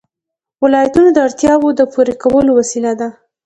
ولایتونه د اړتیاوو د پوره کولو وسیله ده.